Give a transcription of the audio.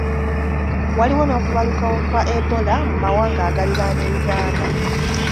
Waliwo n'okubalukawo kwa Ebola mu mawanga agaliraanye Uganda.